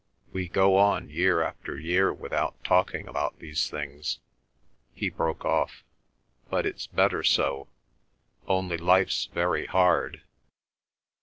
"We go on year after year without talking about these things—" He broke off. "But it's better so. Only life's very hard."